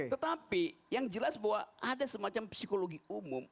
tetapi yang jelas bahwa ada semacam psikologi umum